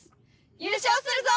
優勝するぞ！